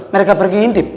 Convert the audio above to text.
mereka pergi ngintip